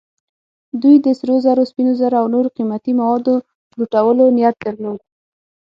دوی د سرو زرو، سپینو زرو او نورو قیمتي موادو لوټلو نیت درلود.